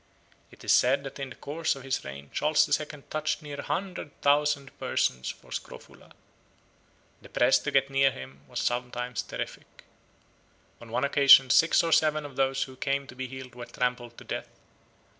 It is said that in the course of his reign Charles the Second touched near a hundred thousand persons for scrofula. The press to get near him was sometimes terrific. On one occasion six or seven of those who came to be healed were trampled to death.